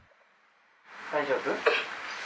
大丈夫？